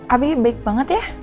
abi baik banget ya